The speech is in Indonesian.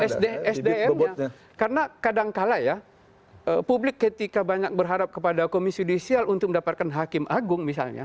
sd sdm nya karena kadangkala ya publik ketika banyak berharap kepada komisi judisial untuk mendapatkan hakim agung misalnya